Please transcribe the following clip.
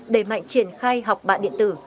đẩy mạnh triển khai học bạc điện tử